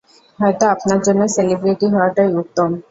হয়ত আপনার জন্য সেলিব্রিটি হওয়াটাই উত্তম।